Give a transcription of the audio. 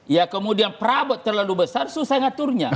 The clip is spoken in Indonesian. ya kemudian perabot terlalu besar susah ngaturnya